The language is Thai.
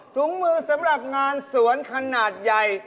ถุงมือสำหรับงานสวนขนาดใหญ่